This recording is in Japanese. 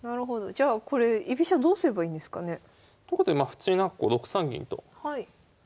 じゃあこれ居飛車どうすればいいんですかね。ということで普通に６三銀と展開します。